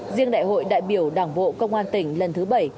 riêng đại hội đại biểu đảng bộ công an tỉnh lần thứ bảy